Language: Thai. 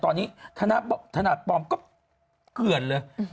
ตอนนี้ขนาดปลอมก็เกื่อนเลย